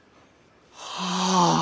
はあ。